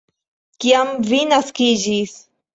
Kiam vi naskiĝis?